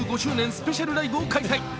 スペシャルライブを開催。